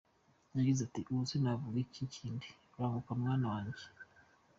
Yagize ati “Ubuse navuga iki kindi! Banguka mwana wanjye.